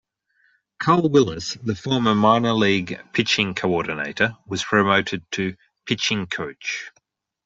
Carl Willis, the former Minor League pitching coordinator, was promoted to pitching coach.